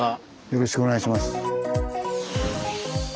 よろしくお願いします。